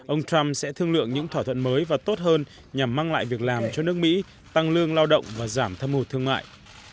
ông trump sẽ thương lượng những thỏa thuận mới và tốt hơn nhằm mang lại việc làm cho nước mỹ tăng lương lao động và giảm thâm hụt thương mại